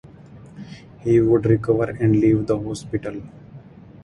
He would recover and leave the hospital.